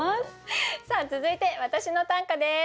さあ続いて私の短歌です。